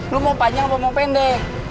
lu mau panjang apa mau pendek